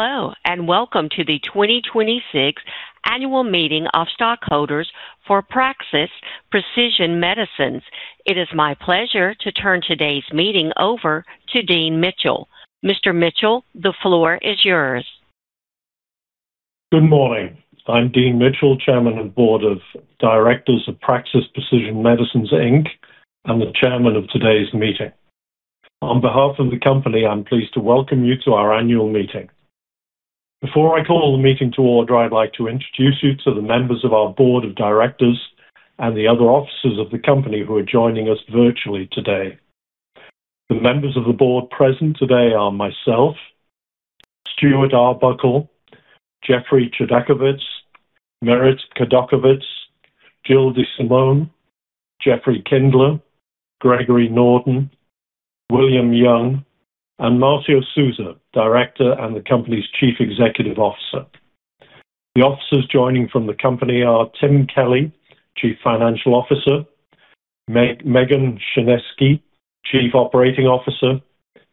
Hello, welcome to the 2026 Annual Meeting of Stockholders for Praxis Precision Medicines. It is my pleasure to turn today's meeting over to Dean Mitchell. Mr. Mitchell, the floor is yours. Good morning. I'm Dean Mitchell, Chairman of Board of Directors of Praxis Precision Medicines, Inc., and the Chairman of today's meeting. On behalf of the company, I'm pleased to welcome you to our annual meeting. Before I call the meeting to order, I'd like to introduce you to the members of our Board of Directors and the other officers of the company who are joining us virtually today. The members of the Board present today are myself, Stuart Arbuckle, Jeff Chodakewitz, Merit Cudkowicz, Jill Desimone, Jeffrey Kindler, Greg Norden, William Young, and Marcio Souza, Director and the company's Chief Executive Officer. The officers joining from the company are Tim Kelly, Chief Financial Officer, Megan Sniecinski, Chief Operating Officer,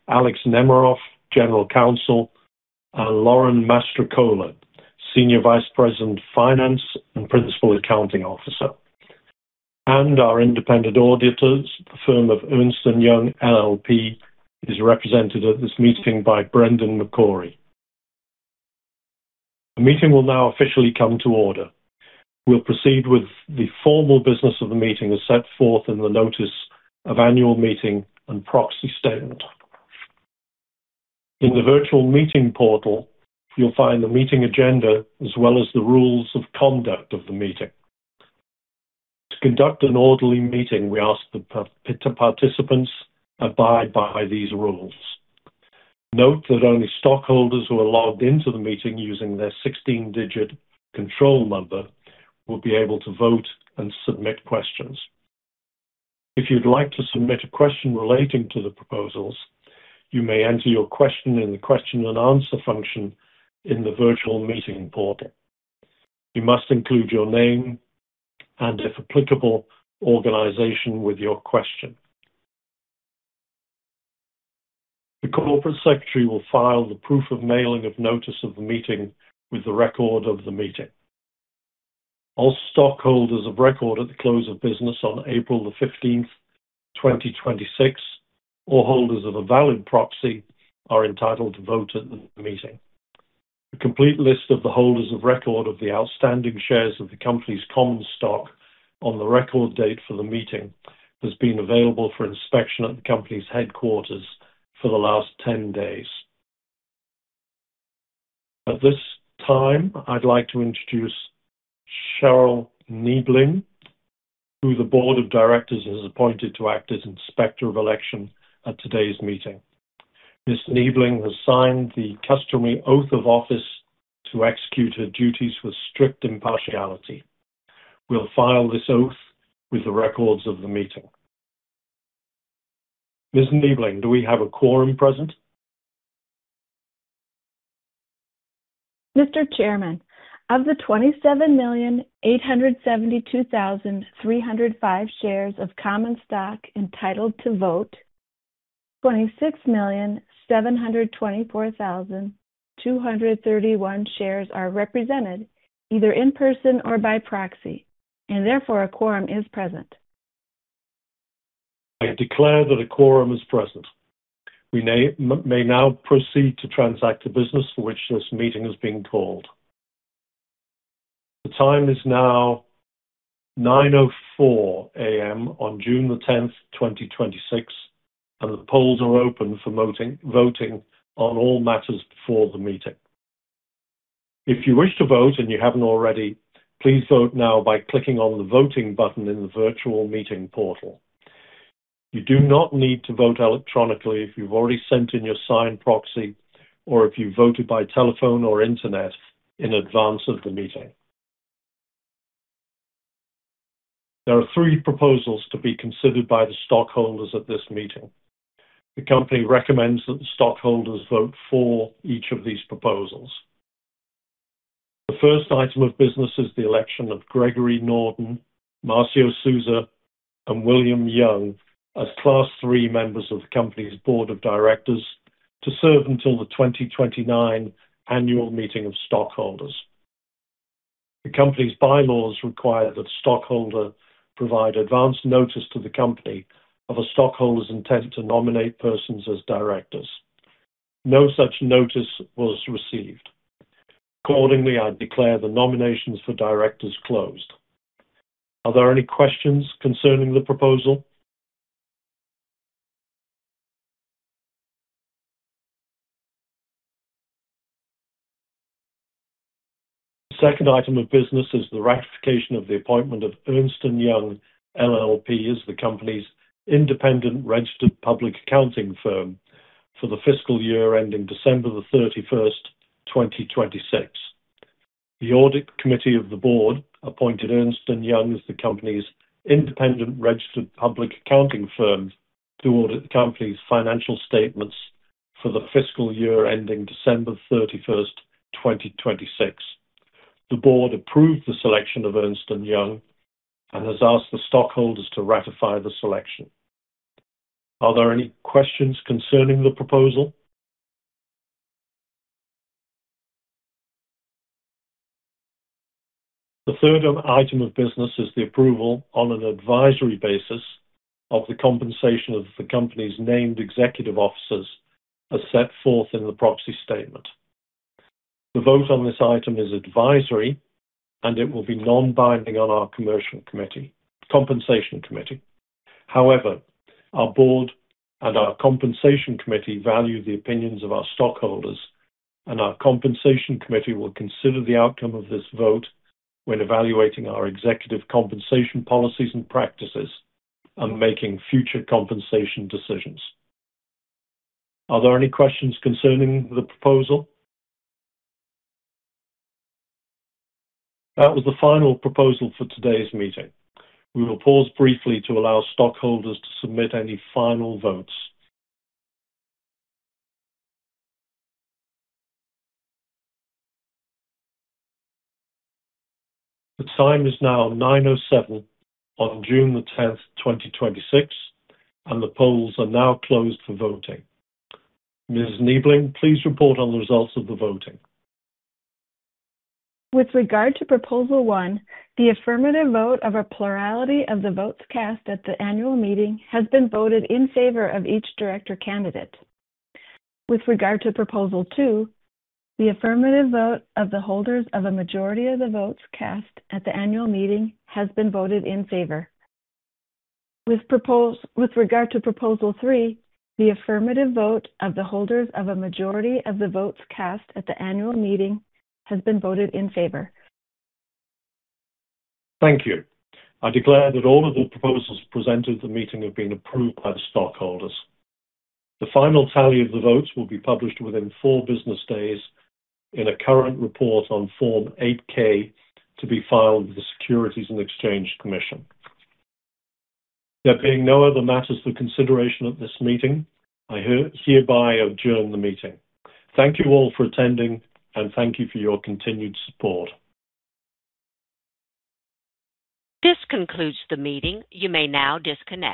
Alex Nemiroff, General Counsel, and Lauren Mastrocola, Senior Vice President, Finance, and Principal Accounting Officer. Our independent auditors, the firm of Ernst & Young LLP, is represented at this meeting by Brendan McCrory. The meeting will now officially come to order. We'll proceed with the formal business of the meeting as set forth in the notice of annual meeting and proxy statement. In the virtual meeting portal, you'll find the meeting agenda as well as the rules of conduct of the meeting. To conduct an orderly meeting, we ask the participants abide by these rules. Note that only stockholders who are logged into the meeting using their 16-digit control number will be able to vote and submit questions. If you'd like to submit a question relating to the proposals, you may enter your question in the question and answer function in the virtual meeting portal. You must include your name, and if applicable, organization with your question. The Corporate Secretary will file the proof of mailing of notice of the meeting with the record of the meeting. All stockholders of record at the close of business on April the 15th, 2026, or holders of a valid proxy, are entitled to vote at the meeting. A complete list of the holders of record of the outstanding shares of the company's common stock on the record date for the meeting has been available for inspection at the company's headquarters for the last 10 days. At this time, I'd like to introduce Cheryl Niebeling, who the Board of Directors has appointed to act as Inspector of Election at today's meeting. Ms. Niebeling has signed the customary oath of office to execute her duties with strict impartiality. We'll file this oath with the records of the meeting. Ms. Niebeling, do we have a quorum present? Mr. Chairman, of the 27,872,305 shares of common stock entitled to vote, 26,724,231 shares are represented, either in person or by proxy, and therefore, a quorum is present. I declare that a quorum is present. We may now proceed to transact the business for which this meeting has been called. The time is now 9:04 A.M. on June the 10th, 2026. The polls are open for voting on all matters before the meeting. If you wish to vote and you haven't already, please vote now by clicking on the Voting button in the virtual meeting portal. You do not need to vote electronically if you've already sent in your signed proxy or if you voted by telephone or internet in advance of the meeting. There are three proposals to be considered by the stockholders at this meeting. The company recommends that the stockholders vote for each of these proposals. The first item of business is the election of Greg Norden, Marcio Souza, and William Young as Class III members of the company's board of directors to serve until the 2029 annual meeting of stockholders. The company's bylaws require that a stockholder provide advance notice to the company of a stockholder's intent to nominate persons as directors. No such notice was received. Accordingly, I declare the nominations for directors closed. Are there any questions concerning the proposal? The second item of business is the ratification of the appointment of Ernst & Young LLP as the company's independent registered public accounting firm for the fiscal year ending December the 31st, 2026. The audit committee of the board appointed Ernst & Young as the company's independent registered public accounting firm to audit the company's financial statements for the fiscal year ending December the 31st, 2026. The board approved the selection of Ernst & Young and has asked the stockholders to ratify the selection. Are there any questions concerning the proposal? The third item of business is the approval on an advisory basis of the compensation of the company's named executive officers as set forth in the proxy statement. The vote on this item is advisory. It will be non-binding on our Compensation Committee. However, our board and our Compensation Committee value the opinions of our stockholders. Our Compensation Committee will consider the outcome of this vote when evaluating our executive compensation policies and practices and making future compensation decisions. Are there any questions concerning the proposal? That was the final proposal for today's meeting. We will pause briefly to allow stockholders to submit any final votes. The time is now 9:07 A.M. on June 10th, 2026. The polls are now closed for voting. Ms. Niebeling, please report on the results of the voting. With regard to proposal one, the affirmative vote of a plurality of the votes cast at the annual meeting has been voted in favor of each director candidate. With regard to proposal two, the affirmative vote of the holders of a majority of the votes cast at the annual meeting has been voted in favor. With regard to proposal three, the affirmative vote of the holders of a majority of the votes cast at the annual meeting has been voted in favor. Thank you. I declare that all of the proposals presented at the meeting have been approved by the stockholders. The final tally of the votes will be published within four business days in a current report on Form 8-K to be filed with the Securities and Exchange Commission. There being no other matters for consideration at this meeting, I hereby adjourn the meeting. Thank you all for attending, and thank you for your continued support. This concludes the meeting. You may now disconnect.